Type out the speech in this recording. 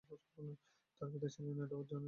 তাঁর পিতা ছিলেন এডওয়ার্ড জন অ্যান্ডারসন।